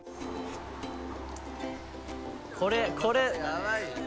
これこれ。